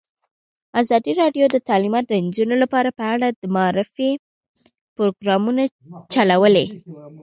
ازادي راډیو د تعلیمات د نجونو لپاره په اړه د معارفې پروګرامونه چلولي.